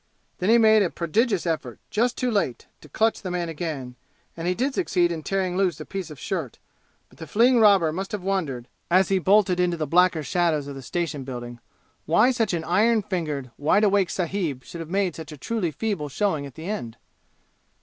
Then he made a prodigious effort, just too late, to clutch the man again, and he did succeed in tearing loose a piece of shirt; but the fleeing robber must have wondered, as he bolted into the blacker shadows of the station building, why such an iron fingered, wide awake sahib should have made such a truly feeble showing at the end.